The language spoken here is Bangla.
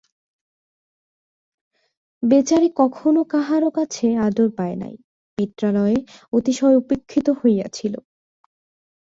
বেচারি কখনো কাহারো কাছে আদর পায় নাই, পিত্রালয়ে অতিশয় উপেক্ষিত হইয়াছিল।